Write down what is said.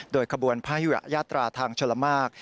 โดยขบวนพระยุระยาตราทางชลมาก